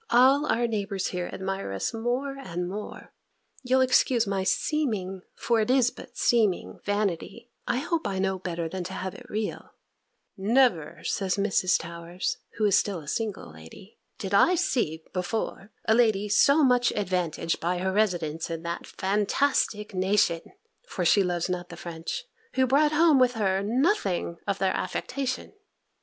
All our neighbours here admire us more and more. You'll excuse my seeming (for it is but seeming) vanity: I hope I know better than to have it real "Never," says Mrs. Towers, who is still a single lady, "did I see, before, a lady so much advantaged by her residence in that fantastic nation" (for she loves not the French) "who brought home with her nothing of their affectation!"